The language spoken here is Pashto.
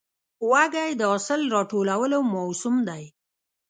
وږی د حاصل راټولو موسم دی.